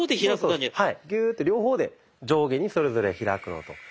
ギューッて両方で上下にそれぞれ開くのと。